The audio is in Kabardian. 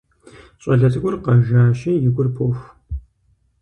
ЩӀалэ цӀыкӀур къэжащи, и гур поху.